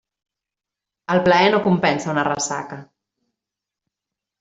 El plaer no compensa una ressaca.